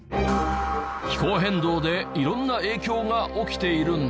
気候変動で色んな影響が起きているんです。